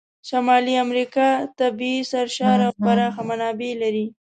شمالي امریکا طبیعي سرشاره او پراخه منابع لري.